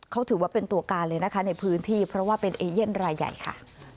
เขาถือว่าเป็นตัวการเลยนะคะในพื้นที่เพราะว่าเป็นเอเย่นรายใหญ่ค่ะ